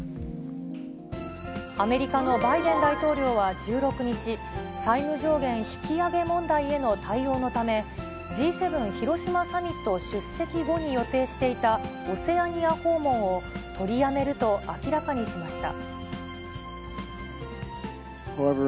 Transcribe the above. アメリカのバイデン大統領は１６日、債務上限引き上げ問題への対応のため、Ｇ７広島サミット出席後に予定していたオセアニア訪問を取りやめると明らかにしました。